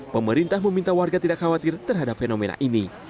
pemerintah meminta warga tidak khawatir terhadap fenomena ini